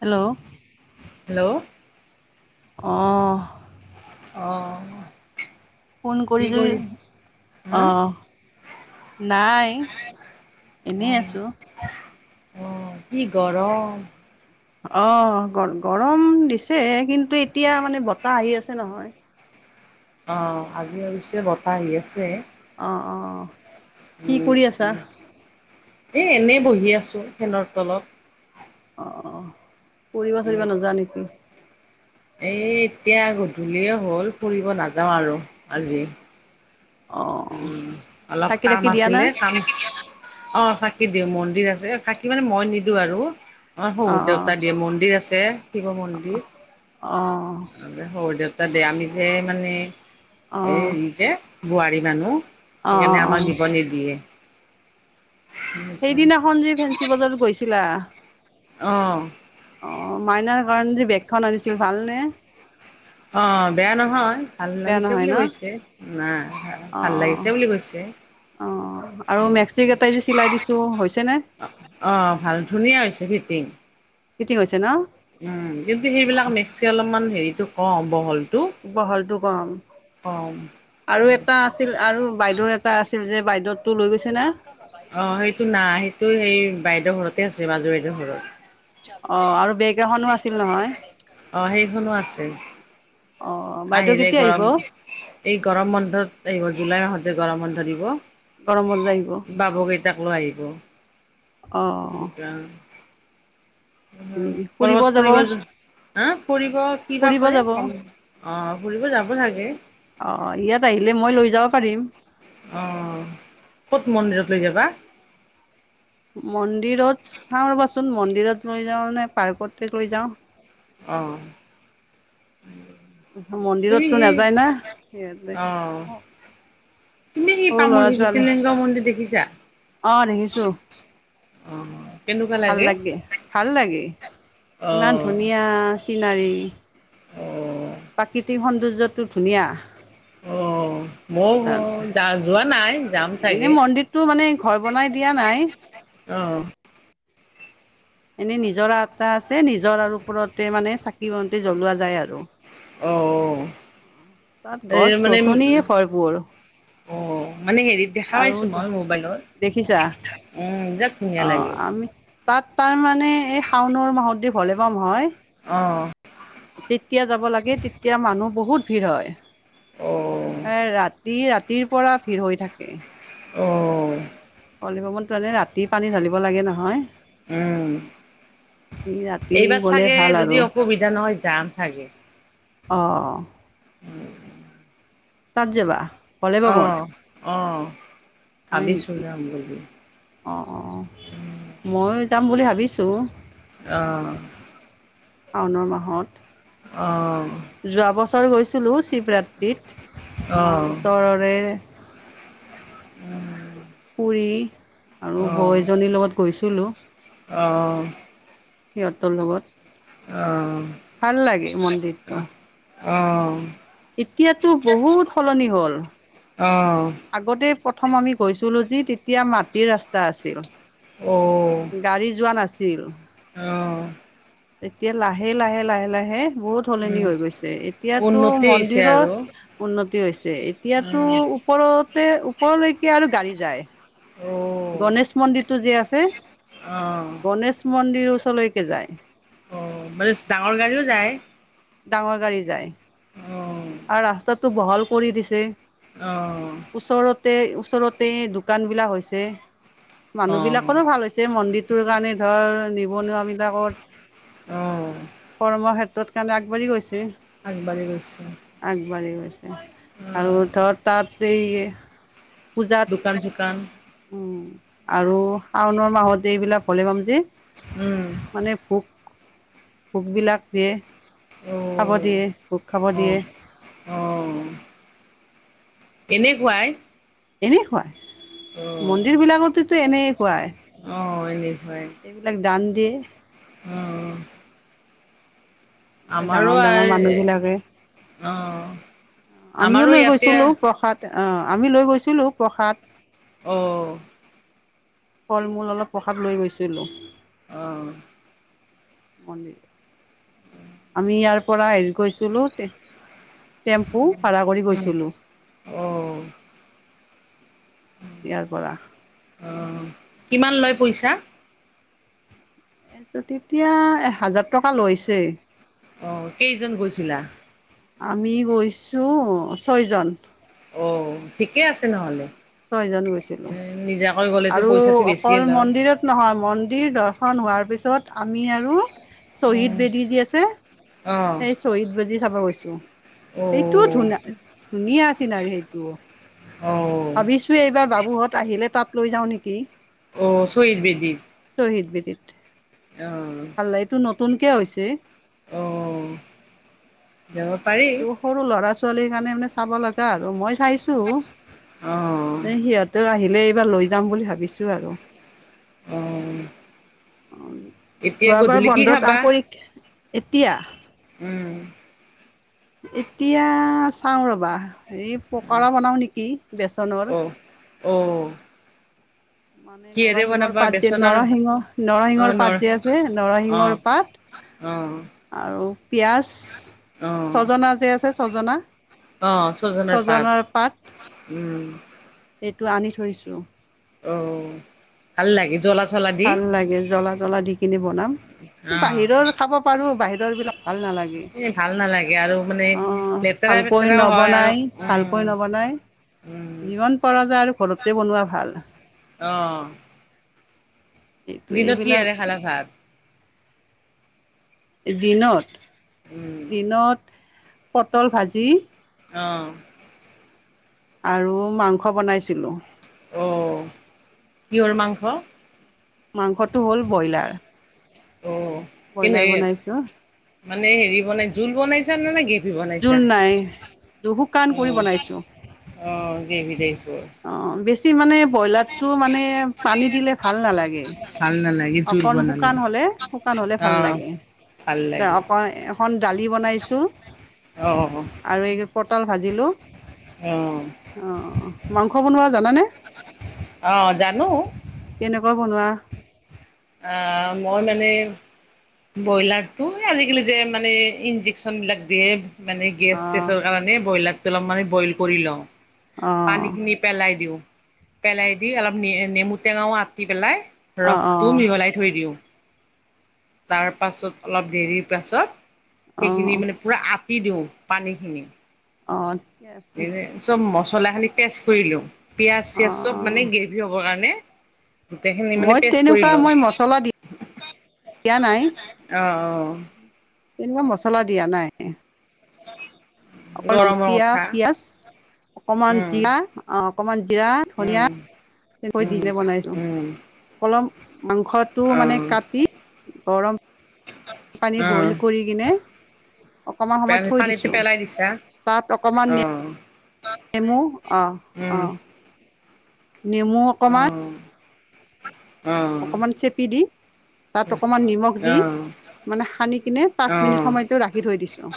Hello? Hello? অ'। অ'। Phone কৰি য হা অ'। নাই এনেই আছোঁ। অ', কি গৰম। অ', গ-গৰম দিছে কিন্তু এতিয়া মানে বতাহ আহি আছে নহয়। অ', আজি অৱশ্যে বতাহ আহি আছে। অ', অ', অ'। উম, এ এনেই বহি আছো ফেনৰ তলত। অ', উম ফুৰিবা-চুৰিবা নোযোৱা নেকি? এই এতিয়া গধূলিয়ে হ'ল, ফুৰিব নাযাওঁ আৰু আজি। অঁ উম, অলপ থাকি কাম থাকি দিয়া না আছিলে কাম। অ', চাকি দিওঁ মন্দিৰ আছে, চাকি মানে মই নিদিওঁ আৰু। আমাৰ অঁ শহুৰ অঁ দেউতাই দিয়ে, মন্দিৰ আছে শিৱ মন্দিৰ। অ'। শহুৰ দেউতা দিয়ে আমি যে মানে অঁ এই যে, বোৱাৰী মানুহ। অঁ অঁ সেইকাৰণে অঁ আমাক দিব নিদিয়। সেইদিনাখন যে ফেঞ্চি বজাৰত গৈছিলা। অ'। অ', মাইনাৰ কাৰণে যে বেগখন আনিছিল ভালনে? অ', বেয়া নহয়, ভাল বেয়া লাগিছে নহয় বুলি ন কৈছে নাই। ভাল অঁ লাগিছে বুলি কৈছে। অ আৰু মেক্সিক কেটাই যে চিলাই দিছো হৈছে নে? অঁ ভাল ধুনীয়া হৈছে ফিটিং ফিটিং হৈছে ন'? উম, কিন্তু সেইবিলাক মেক্সি অলপমান হেৰিটো ক'ম বহলটো। বহলটো ক'ম কম আৰু এটা আছিল। আৰু বাইদেউৰ এটা আছিল যে বাইদেউৰ তো লৈ গৈছে না? অ' সেইটো নাই সেইটো সেই বাইদেউৰ ঘৰতে আছে মাজু বাইদেউৰ ঘৰত। অ' আৰু বেকগ্ৰাউখনো আছিল নহয়। অঁ সেইখনো আছে অ' অ' বাইদেউ আহিলে কেতিয়া আহিব? গৰম এই গৰম বন্ধত আহিব জুলাই মাহত যে গৰম বন্ধ দিব। গৰম বন্ধ আহিব। বাবু কেইটাক লৈ আহিব। অহ অহ। নেকি কৰবাত যাব ফুৰিব যদ হা ফুৰিব কিবা ফুৰিব কৰে যাব অ' ফুৰিব যাব চাগে। অ' ইয়াত আহিলে মই লৈ যাবা পাৰিম। অ' ক'ত মন্দিৰত লৈ যাবা? মন্দিৰত চাও ৰ'বাচোন মন্দিৰত লৈ যাওঁ নে পাৰ্কততে লৈ যাওঁ। অ' তুমি মন্দিৰততো নাযায় না [unintelligible] সিহঁতে অ' তুমি সি সৰু ল'ৰা পামহি ছোৱালী জ্যোতিলিংগ মন্দিৰ দেখিছা? অ দেখিছো অ' কেনেকুৱা লাগে? ভাল লাগে, ইমান অ' ধুনীয়া চিনাৰী। অ' প্ৰাকৃতিক সৌন্দৰ্যটো ধুনীয়া। অহ। তাত [unintelligible] যা-যোৱা নাই যাম এনে চাগে। মন্দিৰটো মানে ঘৰ বনাই দিয়া নাই অ' এনে নিজৰা এটা আছে নিজৰাৰ ওপৰতে মানে চাকি বন্তি জ্বলোৱা যায় আৰু। অ' তাত এই গছ-গছনিৰে ভৰপূৰ। অহ। মানে হেৰিত দেখা আৰু পাইছোঁ মই মোবাইলত, দেখিছা উম বিৰাট ধুনীয়া অ লাগে। আমি তাত তাৰমানে এ শাওনৰ মাহত যে ভলেবম হয়। অহ। তেতিয়া যাব লাগে তেতিয়া মানুহ বহুত ভিৰ হয়, অ', এ ৰাতি, ৰাতি তিৰ পৰা ভিৰ হৈ থাকে। অহ ভলেবমত গ'লে ৰাতি পানী ঢালিব লাগে নহয়। উম, এই ৰাতি এইবাৰ গ'লে চাগে ভাল যদি আৰু অসুবিধা নহয় যাম চাগে। অহ। উম। তাত যাবা? ভলীবমত? অ' অ' হয় ভাবিছোঁ নেকি, যাম বুলি। অ' অ' মইয়ো যাম বুলি ভাবিছোঁ। অ' শাওনৰ মাহত। অহ। যোৱা বছৰ গৈছিলোঁ শিৱৰাত্ৰিত, অ', আমাৰ উম, অ', ওচৰৰে। খুৰী আৰু বৌ এজনীৰ লগত গৈছিলোঁ। অহ। সিহঁতৰ লগত, ভাল লাগে মন্দিৰটো। অহ এতিয়াতো বহুত সলনি হ'ল। অহ আগতে প্ৰথম আমি গৈছিলো যি তেতিয়া মাটিৰ ৰাস্তা আছিল অ গাড়ী যোৱা নাছিল। অ এতিয়া লাহে লাহে লাহে লাহে বহুত সলনি উম, হৈ গৈছে, এতিয়াটো উন্নতি হৈছে আৰু মন্দিৰত উন্নতি হৈছে এতিয়াটো উম, ওপৰতে ওপৰলৈকে আৰু গাড়ী যায়। উম গণেশ মন্দিৰটো যি আছে। অ', গণেশ মন্দিৰ ওচৰলৈকে যায়। অ বেছ ডাঙৰ গাড়ীও যায়। ডাঙৰ গাড়ী যায়। অ' আৰু ৰাস্তাটো বহল কৰি দিছে। অ' ওচৰতে, ওচৰতে দোকান বিলাক হৈছে মানুহ অ'। বিলাকৰো ভাল হৈছে মন্দিত টোৰ কাৰণে ধৰ নিবনুৱা বিলাকৰ, অ', কৰ্মক্ষেত্ৰত সেইকাৰণে আগবাঢ়ি গৈছে। আগবাঢ়ি গৈছে অ আগবাঢ়ি গৈছে আৰু ধৰ তাত এই পূজা দোকান -চোকান উম', আৰু শাওণৰ মাহত যে এইবিলাক বলে বম যি উম, মানে ভোক, ভোকবিলাক দিয়ে উ খাব দিয়ে, ভোক খাব দিয়ে। অ' এনেই খুৱাই? এনেই খুৱাই মন্দিৰবিলাকতটো এনেই খুৱাই। অ', এনেই খুৱাই। এইবিলাক দান দিয়ে। অ' আমাৰো ডাঙৰ ডাঙৰ অ', মানুহ বিলাকে আমিও আমাৰো লৈ ইয়াতে গৈছিলো প্ৰসাদ অ' আমি লৈ গৈছিলো প্ৰসাদ অ' ফল -মূল অলপ প্ৰসাদ লৈ গৈছিলো। অ' মন্দিৰ আমি ইয়াৰ পৰা হেৰিত গৈছিলোঁ টেম টেম্পু ভাড়া কৰি গৈছিলোঁ। অ', অ'। ইয়াৰ পৰা। অম কিমান লয় পইচা? তে তেতিয়া এ হাজাৰ টকা লৈছে। অ', কেইজন গৈছিলা? আমি গৈছোঁ ছয় জন। অ', ঠিকেই আছে নহ'লে। ছয়জন গৈছিলোঁ। [inaudible] আৰু পইচাটো অকল বেছিয়ে লয়। মন্দিৰত নহয় মন্দিৰ দৰ্শন হোৱাৰ পিছত আমি আৰু, শ্বহীদ উম, বেদী যি আছে। অ'। এই শ্বহীদ বেদী চাব গৈছোঁ। সেইটোও ধুনী, ধুনীয়া চিনেৰিটো আছিল আৰু সেইটোও। ভাবিছোঁ এইবাৰ বাবুহঁত আহিলে তাত লৈ যাওঁ নেকি? অ', শ্বহীদ বেদীত? শ্বহীদ বেদিত অ', ভাল লাগে এইটো নতুনকে হৈছে। অ', যাব পাৰি। ত সৰু ল'ৰা ছোৱালীৰ কাৰণে মানে চাব লগা আৰু মই চাইছোঁ অ', সিহঁতেও আহিলে এইবাৰ লৈ যাম বুলি ভাবিছোঁ আৰু। অ', এতিয়া যোৱাবাৰ গধূলি কি বন্ধত খাবা? আহ পৰীক্ষা এতিয়া? উম। এতিয়া চাওঁ ৰ'বা হেৰি পকৰা বনাওঁ নেকি বেচনৰ। অঁ। মানে নৰসিংহৰ বনাবা পাত যে বেচন আৰু নৰসিংহ অ', নৰসিংহৰ নৰ পাত যে আছে অ', নৰসিংহৰ পাত অ। আৰু পিঁয়াজ অ', ছজনা যে আছে ছজনা। অ ছজনৰ ছজনাৰ পাত। উম সেইটো আনি থৈছোঁ। অ ভাল লাগে জ্বলা চলা দি? ভাল লাগে জ্বলা জ্বলা দিকিনি বনাম। অ', বাহিৰৰ খাব পাৰোঁ বাহিৰৰ বিলাক ভাল নালাগে এই ভাল নালাগে আৰু মানে আহ। লেতেৰা ভালকৈ পেতেৰাও হয় আৰু নবনাই উম, ভালকৈ নবনাই। উম, যিমান পৰা যায় আৰু ঘৰতে বনোৱা ভাল। অঁ। এইটো দিনত এইবিলাক কিহেৰে খালা ভাত? দিনত উম, দিনত পটল ভাজি। অ। আৰু মাংস বনাইছিলোঁ। অঁ কিহৰ মাংস? মাংসটো হ'ল ব্ৰইলাৰ। অঁ। ব্ৰইলাৰ বনাইছো। মানে হেৰি বনাই জোল বনাইছা নে নে গ্ৰেভী জোল বনাইছা? নাই শুকান কৰি বনাইছোঁ। অঁ গ্ৰভি টাইপৰে। অঁ বেছি মানে ব্ৰইলাৰটো মানে পানী দিলে ভাল নালাগে। ভাল নালাগে। জোল অকণ বনালে। শুকান হলে শুকান হলে ভাল অ', লাগে। ভাল লাগে এইখন দালি বনাইছোঁ অ', আৰু এই পটল ভাজিলোঁ। অ', আহ। মাংস বনোৱা জানানে? অ', জানো কেনেকুৱা বনোৱা? আ মই মানে ব্ৰইলাৰটো আজিকালি যে মানে ইন্জেকচন বিলাক দিয়ে মানে অ গেছ-চেছৰ কাৰণে ব্ৰইলাৰটো অলপ মানে বইল কৰি লওঁ, অ পানী খিনি পেলাই দিওঁ, পেলাই দি অলপ নেমু টেঙাও আটি পেলাই অ অ ৰস লাই থৈ দিওঁ, তাৰ পাছত অলপ দেৰিৰ পাছত অ সেইখিনি মানে পুৰা আটি দিউ পানী খিনি অ ঠিকে আছে। চব মছলা খিনি পেষ্ট কৰিলো পিয়ঁয়াজ অ চিয়াজ চব অ মানে গ্ৰেভি হ'বৰ কাৰণে গোটেইখিনি মানে মই পেষ্ট কৰি তেনেকুৱা লওঁ। মই মছলা দিয়া অ অ'। কিন্তু মচলা দিয়া নাই। অকল গৰমৰ জলকীয়া, কথা। পিয়াজ, অকমান উম, জিৰা অ অকমান জিৰা ধনীয়া উম, উম, [unintelligible] বনাইছো উম। অলপ মাংসটো মানে অ', কাটি গৰম পানী বইল অ'। কৰি কিনে অকমান সময় থৈ পানীটো দিছো। পেলাই দিছা? তাত অকমান অ', নেমু অ অ। উম, নেমু অকমান অ', অ'। অকমান চেপি দি, তাত অকমান নিমখ দি অ', মানে সানি কিনে পাঁচ মিনিট অ', সময়তো ৰাখি থৈ দিছো।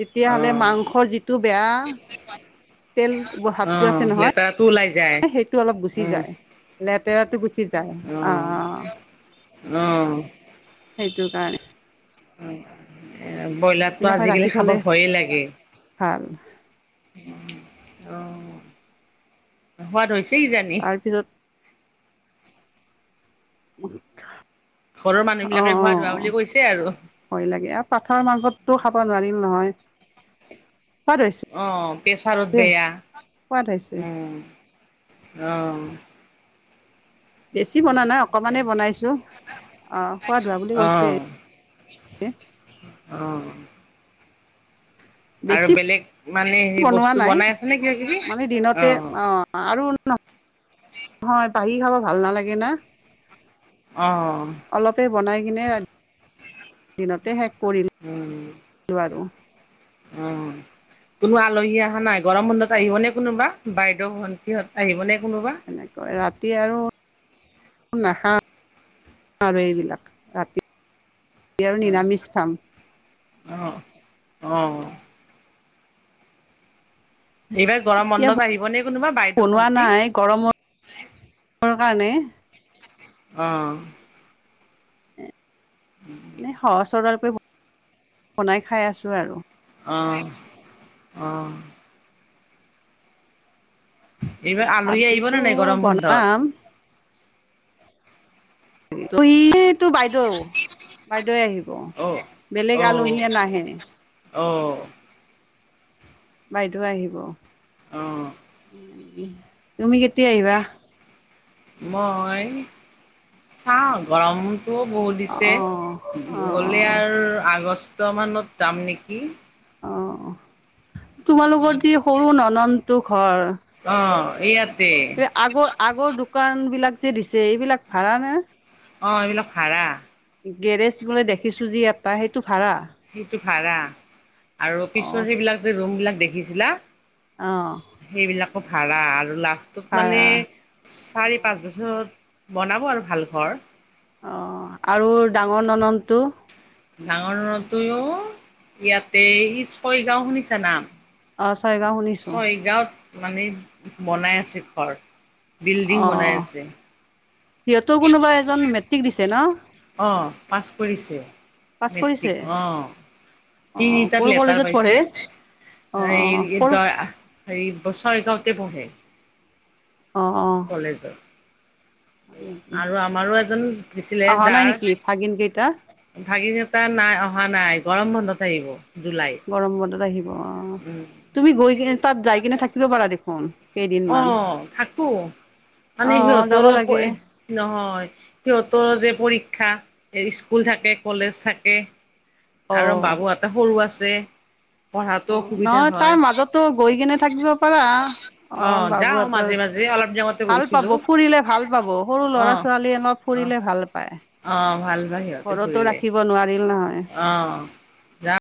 তেতিয়াহ'লে অ', মাংসৰ যিটো বেয়া তেল ভাৱটো আছে নহয় [unintelligible] ওলাই যায়। সেইটো অলপ গুচি যায় লেতেৰাটো গুচি যায় উম অ', উম। সেইটোৰ কাৰণে। এ বইলাৰটো এনেকৈ আজিকালি ৰাখি খাব থ'লে ভয়ে লাগে। অ ভাল। সোৱাদ হৈছে কিজানি? তাৰপিছত [unintelligible] ঘৰৰ মানুহ অ', বিলাকে সোৱাদ হোৱা অ', বুলি কৈছে আৰু। ভয় লাগে। আৰু পাঠাৰ মাংসটো খাব নোৱাৰিম নহয়। সোৱাদ হৈছে অ প্ৰেচাৰত দে বেয়া সোৱাদ হৈছে উম অ। বেছি বনোৱা নাই অকমানেই বনাইছো। অ', সোৱাদ হোৱা বুলি অ। কৈছে। অ। আৰু বেছি বেলেগ মানে হেৰি বনোৱা বস্তু নাই বনাই আছে নে কিবা কিবি? মানে দিনতে অ। অ আৰু [unintelligible] খাব ভাল নালাগে না। অ। অলপেই বনাই কিনে দিনতে শেষ উম। কৰিলোঁ আৰু। উম। কোনো আলহী আহা নাই? গৰম বন্ধত আহিব নে কোনোবা বাইদেউ ভন্টিহত আহিব নে কোনোবা? নাই কৰা। ৰাতি আৰু নাখাও আৰু এইবিলাক ৰাতি আৰু অ নিৰামিষ খাম। অ অ। এইবাৰ গৰম এতিয়া বন্ধত আহিব নে কোনোবা বাইদেউ বনোৱা ভণ্টি? নাই গৰমৰ [unintelligible] কাৰণে অ। উম। এনেই সহজ সৰলকৈ বনাই খাই আছো আৰু। অ' অ' এইবাৰ আলহী আহিব ভাবিছো নে নাই গৰম বন্ধত? বনাম [inaudible] [unintelligible] বাইদেউ, বাইদেউৱে আহিব অ বেলেগ অ আলহীয়ে নাহে। অ', বাইদেউ আহিব অ তুমি কেতিয়া আহিবা? মই চাওঁ গৰম টো বহুত অ দিছে অ অ গ'লে আৰ আগষ্ট মানত যাম নেকি। অ' তোমালোকৰ তে সৰু নননটো ঘৰ অ' ইয়াতে। যে আগৰ-আগৰ দোকানবিলাক যে দিছে এইবিলাক ভাড়া নে? অ' এইবিলাক ভাড়া। গেৰেজ মানে দেখিছো যি এটা সেই সেইটো ভাড়া আৰু অ পিছৰ সেইবিলাক যে ৰুম বিলাক দেখিছিলা অ', সেইবিলাকো ভাড়া আৰু লাষ্টত মানে ভাড়া চাৰি, পাঁচ বছৰ বনাব আৰু ভাল ঘৰ। অ'আৰু ডাঙৰ নননটো? ডাঙৰ নননটোও ইয়াতে, ল ইচ ছয়গাঁও শুনিছা নাম? অ' ছয় গাওঁ শুনি ছয়গাঁৱত মানে বনাই আছে ঘৰ বিল্ডিং বনাই অ' আছে। সিহঁতৰ কোনোবা এজন মেট্ৰিক দিছে ন? অ' পাছ কৰিছে পাছ কৰিছে মেট্ৰিক অ'। অ' তিনিটাত ক'ৰ লেটাৰ কলেজত পঢ়ে পাইছে [unintelligible] অ' ক'ৰ অ' [unintelligible] ছয়গাওঁতে পঢ়ে অ'অ' কলেজত। আৰু আমাৰো এজন দিছিলে অহা নাই যাৰ নেকি ভাগিন কেইটা ভাগিন কেইটা নাই‌ অহা নাই গৰম বন্ধত হে আহিব। জুলাই গৰম বন্ধত আহিব অ' উম তুমি গৈ কিনে তাত যাই কিনে থাকিব পাৰা দেখোন। কেইদিনমান অ' থাকো মানে অ' যাব সিহঁতৰো লাগে প‌ই নহয় সিহঁতৰ যে পৰীক্ষা এ স্কুল থাকে কলেজ থাকে আৰু অ' বাবু হতে সৰু আছে। পঢ়াতো অ' অসুবিধা নহয় তাৰ হয় মাজতো গৈ কেনে থাকিব পাৰা অমাৰ বাবুহঁতৰ যে অলপদিন আগতে ভাল পাব গৈছিলো ফুৰিলে ভাল পাব সৰু অ ল'ৰা- ছোৱালীয়ে এনেও অ ফুৰিলে ভাল পায়। অ' ভাল বাহিৰতে ফুৰিলে। দিৱ নোৱাৰিল নহয়। অ', যা